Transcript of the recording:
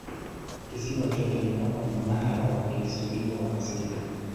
Kisiwa chote ni kama mnara wa kihistoria wa asili.